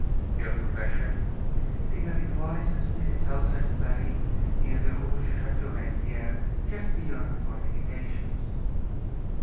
"Your profession?" "Dealer in wines and spirits outside of Paris, near the Rue du Chateau des Rentiers, just beyond the fortifications."